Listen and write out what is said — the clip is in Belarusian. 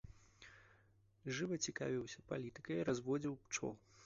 Жыва цікавіўся палітыкай, разводзіў пчол.